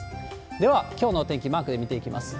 では、きょうのお天気、マークで見ていきます。